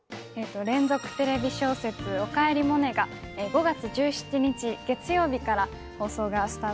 連続テレビ小説「おかえりモネ」が５月１７日月曜日から放送がスタートします。